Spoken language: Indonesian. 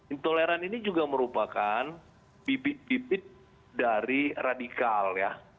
intoleran ini juga merupakan bibit bibit dari radikal ya